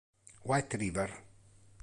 White River